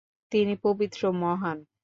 তিনি পবিত্র, মহান!